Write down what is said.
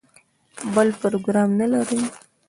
بل پروګرام نه لري.